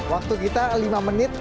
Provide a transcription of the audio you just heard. waktu kita lima menit